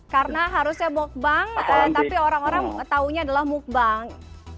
karena harusnya mukbang tapi orang orang taunya adalah mukbang